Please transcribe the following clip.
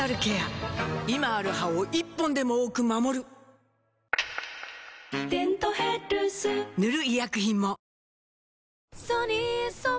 今ある歯を１本でも多く守る「デントヘルス」塗る医薬品も